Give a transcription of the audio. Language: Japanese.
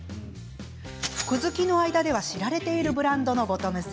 服好きの間では知られているブランドのボトムス。